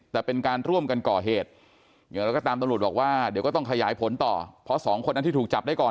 แต่เป็นการร่วมกันก่อเหตุ